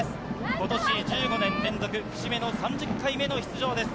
ことし１５年連続、節目の３０回目の出場です。